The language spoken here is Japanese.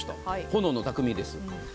炎の匠です。